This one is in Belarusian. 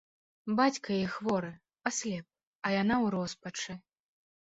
Бацька яе хворы, аслеп, а яна ў роспачы.